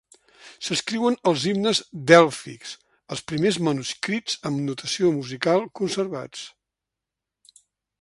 S'escriuen els himnes dèlfics, els primers manuscrits amb notació musical conservats.